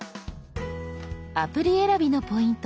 アプリ選びのポイント